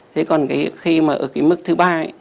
thế còn khi mà ở cái mức thứ ba